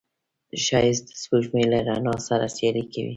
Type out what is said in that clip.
ښایست د سپوږمۍ له رڼا سره سیالي کوي